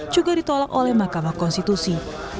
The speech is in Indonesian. juga ditolak oleh mahkamah konstitusi